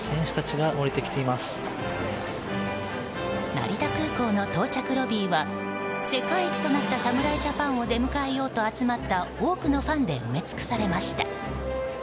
成田空港の到着ロビーは世界一となった侍ジャパンを出迎えようと多くのファンで埋め尽くされました。